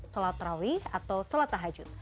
salat rawi atau salat tahajud